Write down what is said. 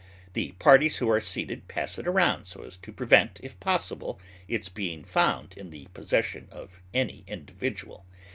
The parties who are seated pass it round so as to prevent, if possible, its being found in the possession of any individual.